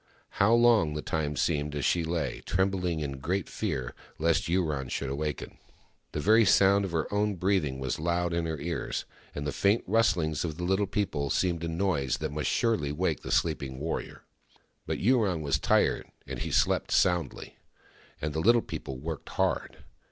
How long the time seemed as she lay, trembling, in great fear lest Yurong should awaken ! The very sound of her own breathing was loud in her ears, and the faint rustlings of the Little People seemed a THE MAIDEN WHO FOUND THE MOON 143 noise that must surely wake the sleeping warrior. But Yurong was tired, and he slept soundly : and the Little People worked hard.